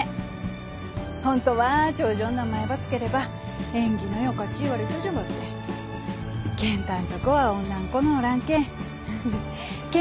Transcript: ホントは長女ん名前ば付ければ縁起の良かち言われちょじゃばってケン太んとこは女ん子のおらんけん謙丸っち付けたったい。